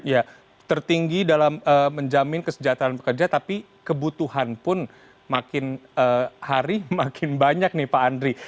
ya tertinggi dalam menjamin kesejahteraan pekerja tapi kebutuhan pun makin hari makin banyak nih pak andri